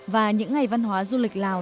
và những ngày văn hóa du lịch lào